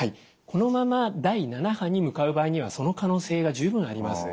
このまま第７波に向かう場合にはその可能性が十分あります。